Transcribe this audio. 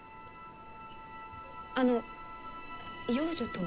あの養女とは？